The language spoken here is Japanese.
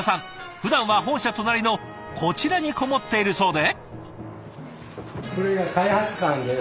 ふだんは本社隣のこちらにこもっているそうで。